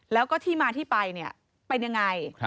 แล้วก็ที่มาที่ไปเนี่ยเป็นยังไง